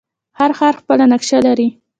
هر ښار خپله نقشه لري.